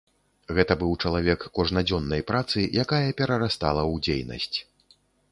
Гэта быў чалавек кожнадзённай працы, якая перарастала ў дзейнасць.